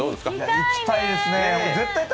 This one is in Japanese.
行きたいですね。